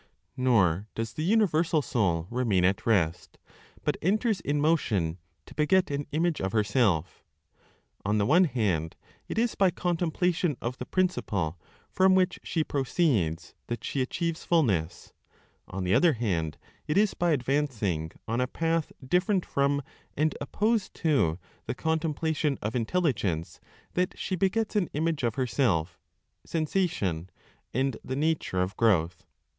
Nor does the universal Soul remain at rest, but enters in motion to beget an image of herself. On the one hand, it is by contemplation of the principle from which she proceeds that she achieves fulness; on the other hand, it is by advancing on a path different from, and opposed to (the contemplation of Intelligence), that she begets an image of herself, sensation, and the nature of growth.